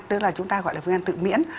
tức là chúng ta gọi là viêm gan tự biến